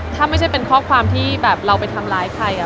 ถ้าไม่ใช่เป็นข้อความที่แบบเราไปทำร้ายใคร